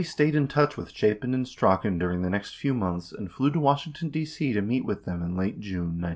161 Segretti stayed in touch with Chapin and Strachan during the next few months, and flew to Washington, D.C., to meet with them in late June 1971.